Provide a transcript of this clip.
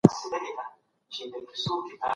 سياستوالو د خلګو ستونزو ته د حل لاري وموندلې.